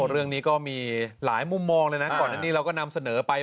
เรื่องนี้ก็มีหลายมุมมองเลยนะก่อนอันนี้เราก็นำเสนอไป